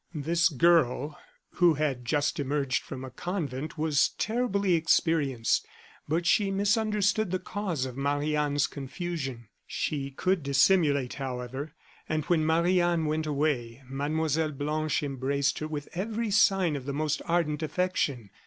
This girl who had just emerged from a convent was terribly experienced; but she misunderstood the cause of Marie Anne's confusion. She could dissimulate, however, and when Marie Anne went away, Mlle. Blanche embraced her with every sign of the most ardent affection.